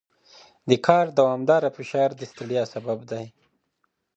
د کار دوامداره فشار د ستړیا سبب دی.